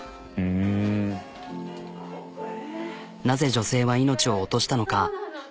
なぜ女性は命を落としたのか？